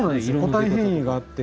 個体変異があって。